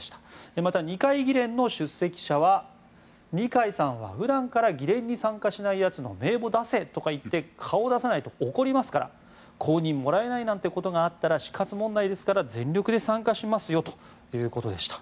また、二階議連の出席者は二階さんは普段から議連に参加しないやつの名簿出せとか言って顔を出さないと怒りますから公認もらえないなんてことがあったら死活問題ですから全力で参加しますよということでした。